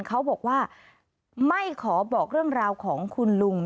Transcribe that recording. เขาบอกว่าไม่ขอบอกเรื่องราวของคุณลุง